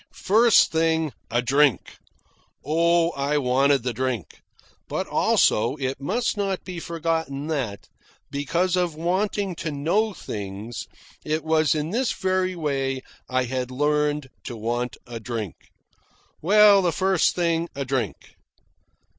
First thing, a drink oh, I wanted the drink, but also it must not be forgotten that, because of wanting to know things, it was in this very way I had learned to want a drink. Well, the first thing, a drink.